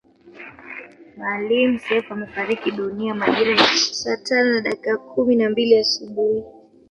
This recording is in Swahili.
Maalim Seif amefariki dunia majira ya saa tano na dakika kumi na mbili asubuhi